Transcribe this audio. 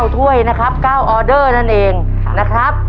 ถ้วยนะครับ๙ออเดอร์นั่นเองนะครับ